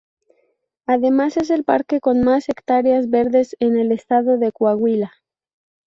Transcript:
Además es el parque con más Hectáreas verdes en el estado de Coahuila.